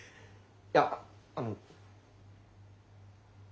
いやあの。